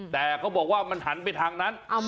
แต่เขาบอกว่ามันหันไปทางนั้น